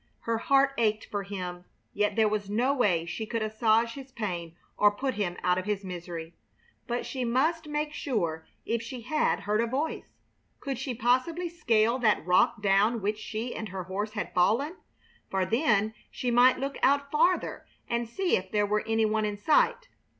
Her heart ached for him, yet there was no way she could assuage his pain or put him out of his misery. But she must make sure if she had heard a voice. Could she possibly scale that rock down which she and her horse had fallen? For then she might look out farther and see if there were any one in sight.